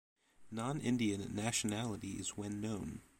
Non-Indian nationality is when known.